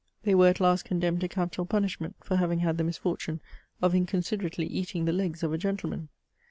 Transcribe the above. *' They were at last condemned to capital punishment for having had the misfor tune of inconsiderately eating the legs of a gentleman